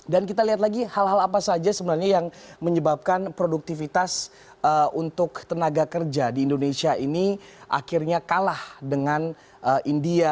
dan kita lihat lagi hal hal apa saja sebenarnya yang menyebabkan produktivitas untuk tenaga kerja di indonesia ini akhirnya kalah dengan india